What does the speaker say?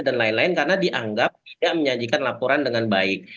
dan lain lain karena dianggap tidak menyajikan laporan dengan baik